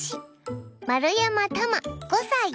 丸山たま５歳。